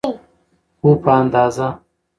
خو په اندازه.